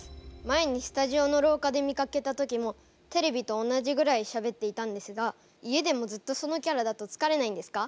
前にスタジオの廊下で見かけた時もテレビと同じぐらいしゃべっていたんですが家でもずっとそのキャラだとつかれないんですか？